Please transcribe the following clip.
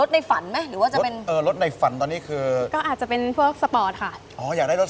ให้แฟนไหมแบ่งบุญ